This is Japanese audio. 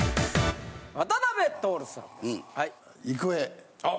渡辺徹さんです